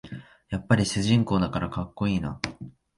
やっぱり主人公だからかっこいいな